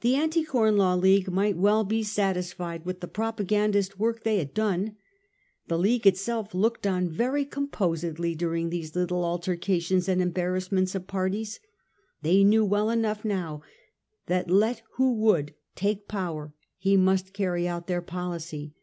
The Anti Corn Law League might well be satisfied with the propagandist work they had done. The League itself looked on very composedly during these little altercations and embarrassments of parties. They knew well enough now that let who would take power he must carry out their policy.